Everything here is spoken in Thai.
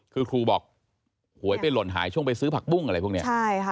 คือครูบอกหวยไปหล่นหายช่วงไปซื้อผักบุ้งอะไรพวกนี้